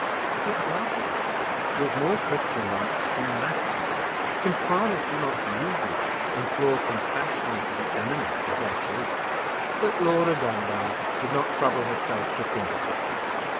This last wish was more Christianlike than natural; since fathers do not usually implore compassion for the enemies of their children. But Laura Dunbar did not trouble herself to think about this.